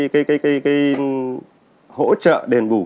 cái hỗ trợ đền bù